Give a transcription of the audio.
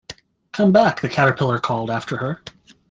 ‘Come back!’ the Caterpillar called after her.